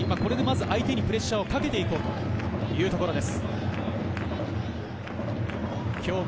これで相手にプレッシャーをかけていこうというところです。